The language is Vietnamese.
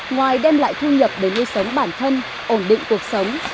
ngoài đem lại thu nhập đến nơi sống bản thân ổn định cuộc sống